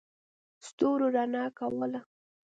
ستورو رڼا کوله.